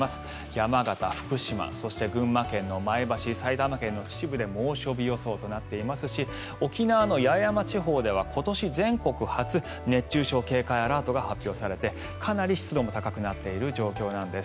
山形、福島、そして群馬県の前橋埼玉県の秩父で猛暑日予想となっていますし沖縄の八重山地方では今年全国初熱中症警戒アラートが発表されてかなり湿度も高くなっている状況なんです。